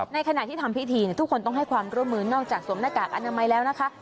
ในขณะที่ทำพิธีทุกคนต้องให้ความร่วมมือนอกจากสวมหน้ากากอนามัยแล้วนะคะ